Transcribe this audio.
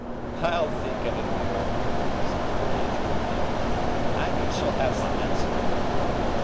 "I'll think of it, Muir," said the Major, laughing, "and you shall have my answer in the morning.